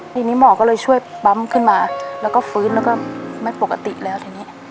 ทีนี้หมอก็เลยช่วยปั๊มขึ้นมาแล้วก็ฟื้นแล้วก็ไม่ปกติแล้วทีนี้